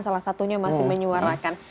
salah satunya masih menyuarakan